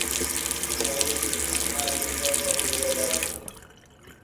All six are members of the Labour Party.